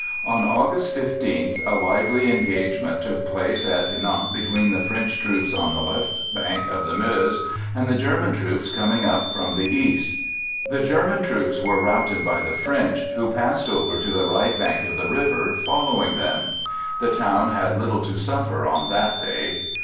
On August 15th a lively engagement took place at Dinant between the French troops on the left bank of the Meuse and the German troops coming up from the East. The German troops were routed by the French, who passed over to the right bank of the river following them. The town had little to suffer on that day.